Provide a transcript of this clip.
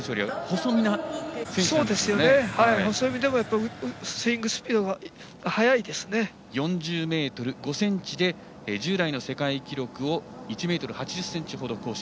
細身でもスイングスピードが４０ｍ５ｃｍで従来の世界記録を１ｍ８０ｃｍほど更新。